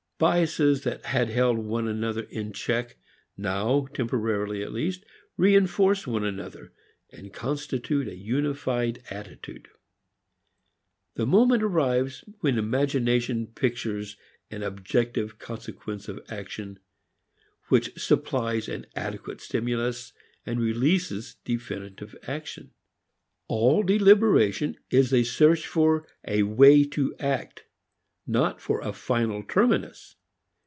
Biases that had held one another in check now, temporarily at least, reinforce one another, and constitute a unified attitude. The moment arrives when imagination pictures an objective consequence of action which supplies an adequate stimulus and releases definitive action. All deliberation is a search for a way to act, not for a final terminus.